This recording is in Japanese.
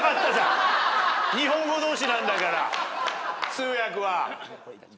通訳は。